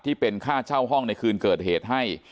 ที่เป็นค่าเช่าห้องในคืนเกิดเหตุให้